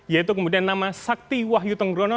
yaitu kemudian nama sakti wahyu tenggrono